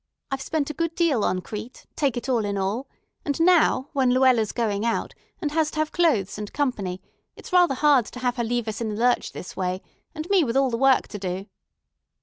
I've spent a good deal on Crete, take it all in all; and now, when Luella's going out, and has to have clothes and company, it's rather hard to have her leave us in the lurch this way, and me with all the work to do."